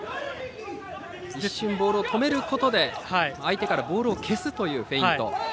一瞬ボールを止めることで相手からボールを消すというフェイント。